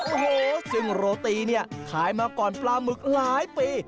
โอ้โหซึ่งโรตีเนี่ยขายมาก่อนปลาหมึกหลายปี